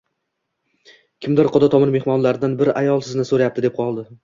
Kimdir quda tomon mehmonlardan bir ayol sizni soʻrayapti, deb qoldi